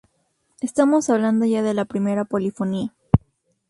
Estamos hablando ya de la primera polifonía.